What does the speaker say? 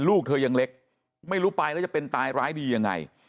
ลูกเธอยังเล็กไม่รู้ไปแล้วจะเป็นตายร้ายดียังไง